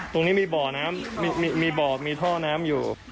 ตรงนี่มีบ่อท่อน้ำอยู่